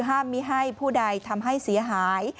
ห้ามไม่ให้ผู้ใดทำให้เสียหาย